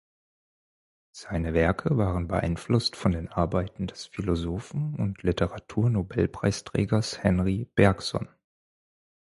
Seine Werke waren beeinflusst von den Arbeiten des Philosophen und Literaturnobelpreisträgers Henri Bergson.